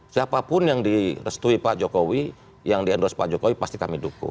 siapapun yang direstui pak jokowi yang di endorse pak jokowi pasti kami dukung